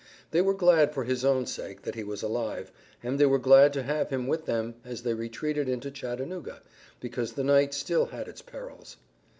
They were glad for his own sake that he was alive, and they were glad to have him with them as they retreated into Chattanooga, because the night still had its perils.